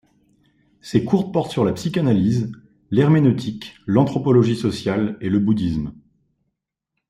Ses cours portent sur la psychanalyse, l'herméneutique, l'anthropologie sociale et le bouddhisme.